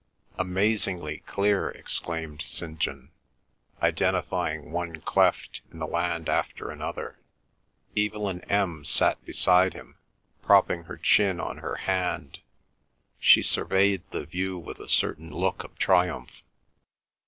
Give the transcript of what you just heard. "Amazingly clear," exclaimed St. John, identifying one cleft in the land after another. Evelyn M. sat beside him, propping her chin on her hand. She surveyed the view with a certain look of triumph.